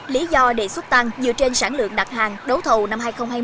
lý do đề xuất tăng dựa trên sản lượng đặt hàng đấu thầu năm hai nghìn hai mươi